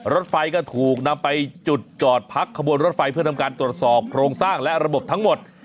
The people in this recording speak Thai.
รถไฟก็ถูกนำไปจุดจอดพักขบวนรถไฟเพื่อทำการตรวจสอบโครงสร้างและระบบทั้งหมด